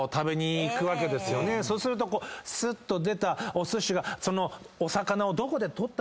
そうするとすっと出たおすしが。